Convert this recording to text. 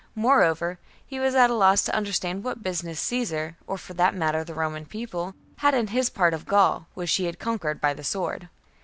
More over, he was at a loss to understand what business Caesar, or for that matter the Roman People, had in his part of Gaul, which he had conquered by the sword.